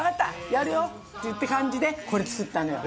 やるよ」って感じでこれ作ったのよ。